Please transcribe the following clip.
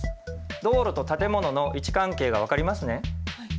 道路と建物の位置関係が分かりますね。